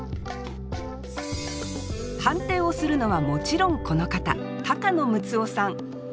判定をするのはもちろんこの方高野ムツオさん